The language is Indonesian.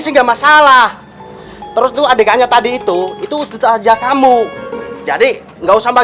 sih enggak masalah terus tuh adikannya tadi itu itu saja kamu jadi enggak usah